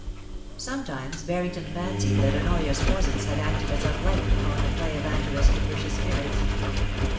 Sometimes Barrington fancied that Honoria's presence had acted as a blight up>on the play of Angela's capricious spirits.